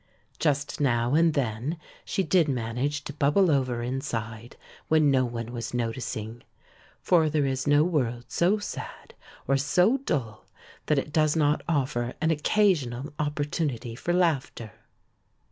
Just now and then she did manage to bubble over inside when no one was noticing. For there is no world so sad or so dull that it does not offer an occasional opportunity for laughter.